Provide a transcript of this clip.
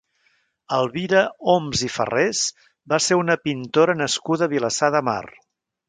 Elvira Homs i Ferrés va ser una pintora nascuda a Vilassar de Mar.